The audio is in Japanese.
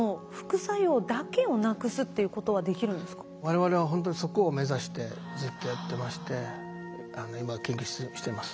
我々はほんとにそこを目指してずっとやってまして今研究してます。